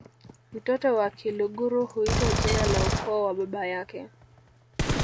Mtoto wa Kiluguru huitwa jina la ukoo wa baba yake